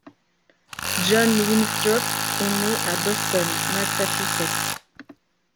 John Winthrop est né à Boston, Massachusetts.